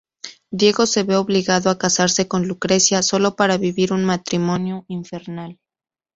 Diego se ve obligado a casarse con Lucrecia sólo para vivir un matrimonio infernal.